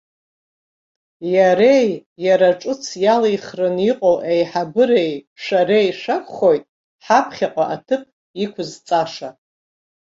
Иареи, иара ҿыц иалихран иҟоу аиҳабыреи шәареи шәакәхоит ҳаԥхьаҟа аҭыԥ иқәызҵаша.